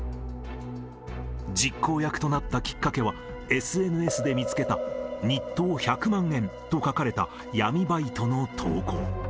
実行役となったきっかけは、ＳＮＳで見つけた日当１００万円と書かれた闇バイトの投稿。